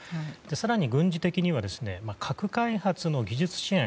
更に、軍事的には核開発の技術支援。